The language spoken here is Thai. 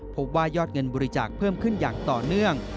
พบว่ายอดเงินบริจาคเพิ่มขึ้นอย่างต่อเนื่อง